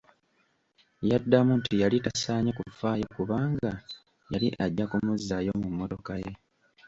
Yaddamu nti yali tasaanye kufaayo kubanga yali ajja kumuzzaayo mu mmotoka ye.